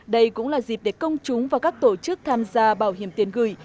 đây cũng là dịp để công chúng và các tổ chức tham gia bảo hiểm tiền gửi